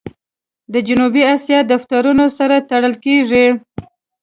د جنوبي آسیا د دفترونو سره تړل کېږي.